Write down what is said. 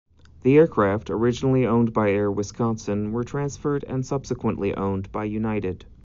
The aircraft, originally owned by Air Wisconsin, were transferred and subsequently owned by United.